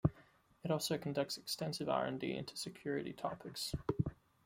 It also conducts extensive R and D into security topics.